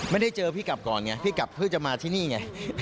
ไม่ได้เจอพี่กลับก่อนไงพี่กลับเพื่อจะมาที่นี่ไง